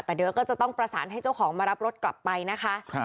แต่เดี๋ยวก็จะต้องประสานให้เจ้าของมารับรถกลับไปนะคะ